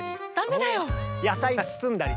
野菜包んだり。